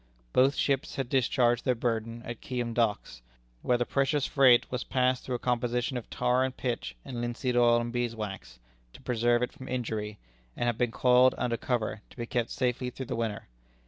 Both ships had discharged their burden at Keyham Docks, where the precious freight was passed through a composition of tar and pitch and linseed oil and beeswax, to preserve it from injury, and had been coiled under cover to be kept safely through the winter.